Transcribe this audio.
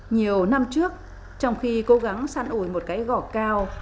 nhiều năm trước trong khi cố gắng săn ủi một cái gỏ cao